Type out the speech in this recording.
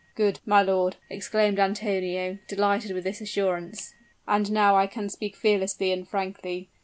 "Good, my lord!" exclaimed Antonio, delighted with this assurance; "and now I can speak fearlessly and frankly.